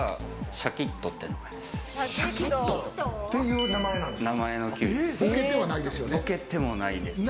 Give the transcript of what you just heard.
シャキットっていう名前なんですか？